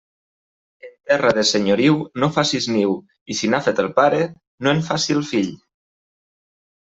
En terra de senyoriu no facis niu, i si n'ha fet el pare, no en faci el fill.